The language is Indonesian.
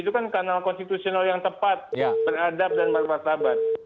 itu kan kanal konstitusional yang tepat beradab dan bermartabat